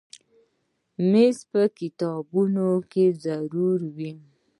مېز په کتابتون کې ضرور وي.